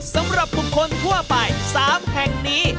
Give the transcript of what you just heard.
สำหรับบุคคลทั่วไป๓แห่งนี้